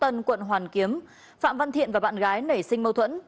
tân quận hoàn kiếm phạm văn thiện và bạn gái nảy sinh mâu thuẫn